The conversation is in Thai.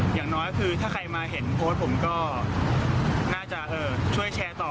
อย่างน้อยคือถ้าใครมาเห็นโพสต์ผมก็น่าจะช่วยแชร์ต่อ